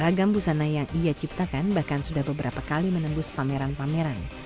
ragam busana yang ia ciptakan bahkan sudah beberapa kali menembus pameran pameran